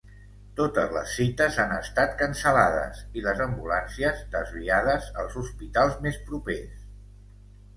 Totes les cites han estat cancel·lades i les ambulàncies, desviades als hospitals més propers.